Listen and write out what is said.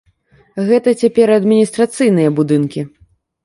Гэта цяпер адміністрацыйныя будынкі.